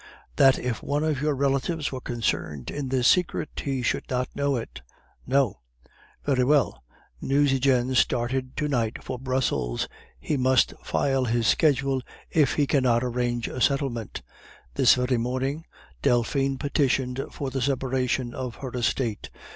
"'That if one of your relatives were concerned in this secret, he should not know it.' "'No.' "'Very well. Nucingen started to night for Brussels. He must file his schedule if he cannot arrange a settlement. This very morning Delphine petitioned for the separation of her estate.